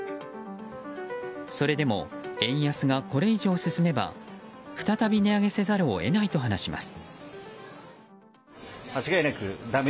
それでも、円安がこれ以上進めば再び値上げせざるを得ないと話します。